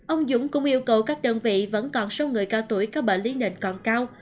ông dũng cũng yêu cầu các đơn vị vẫn còn số người cao tuổi có bệnh lý nền còn cao